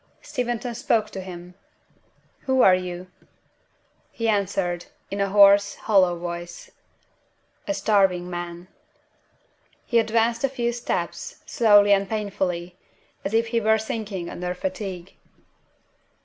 Steventon spoke to him. "Who are you?" He answered, in a hoarse, hollow voice, "A starving man." He advanced a few steps, slowly and painfully, as if he were sinking under fatigue.